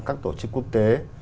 các tổ chức quốc tế